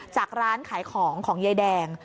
จากร้านขายของของยายแดง